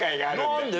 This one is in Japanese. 何で？